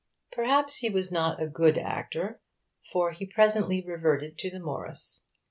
Perhaps he was not a good actor, for he presently reverted to the Morris.